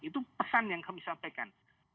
itu pesan yang kami sampaikan